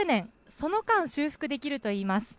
その間、修復できるといいます。